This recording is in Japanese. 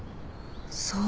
そう。